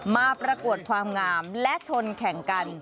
ประกวดความงามและชนแข่งกัน